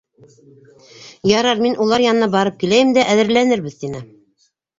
— Ярар, мин улар янына барып киләйем дә әҙерләнербеҙ, — тине.